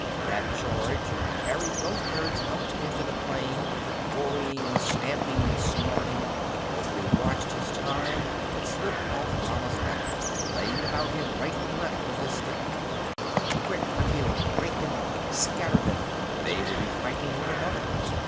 That charge carried both herds out into the plain, goring and stamping and snorting. Mowgli watched his time, and slipped off Rama's neck, laying about him right and left with his stick. "Quick, Akela! Break them up. Scatter them, or they will be fighting one another.